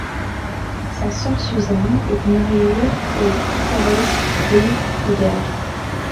Sa sœur Susan est mariée au guitariste Ry Cooder.